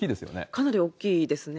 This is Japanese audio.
かなり大きいですね。